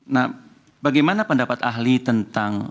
nah bagaimana pendapat ahli tentang